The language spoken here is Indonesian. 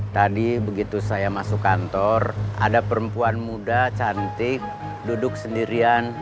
tadi begitu saya masuk kantor ada perempuan muda cantik duduk sendirian